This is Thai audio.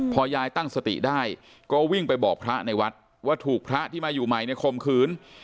พอยายตั้งสติได้ก็วิ่งไปบอกพระในวัดว่าถูกพระที่มาอยู่ใหม่ในคมขืน